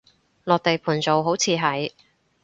落地盤做，好似係